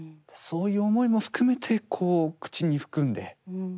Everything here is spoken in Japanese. そういう思いも含めてこう口に含んで。